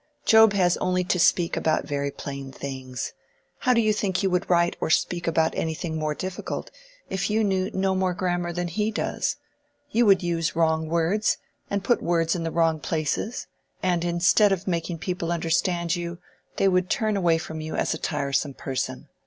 Job has only to speak about very plain things. How do you think you would write or speak about anything more difficult, if you knew no more of grammar than he does? You would use wrong words, and put words in the wrong places, and instead of making people understand you, they would turn away from you as a tiresome person.